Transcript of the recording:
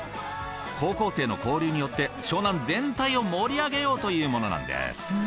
高校生の交流によって湘南全体を盛り上げようというものなんです。